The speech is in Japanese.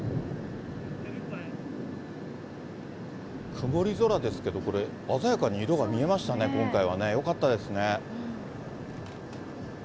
曇り空ですけど、これ、鮮やかに色が見えましたね、今回はね、よかったですね。